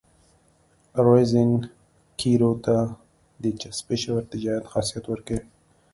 رزین قیرو ته د چسپش او ارتجاعیت خاصیت ورکوي